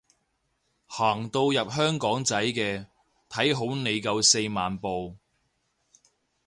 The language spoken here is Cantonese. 行到入香港仔嘅，睇好你夠四萬步